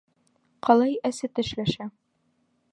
Ҡалай әсе тешләшә!